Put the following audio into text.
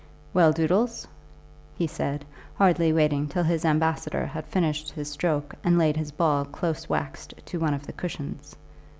"Well, Doodles," he said, hardly waiting till his ambassador had finished his stroke and laid his ball close waxed to one of the cushions.